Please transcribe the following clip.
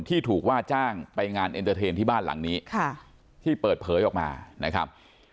ที่ถูกว่าจ้างไปงานเอ็นเตอร์เทนที่บ้านหลังนี้ที่เปิดเผยออกมานะครับ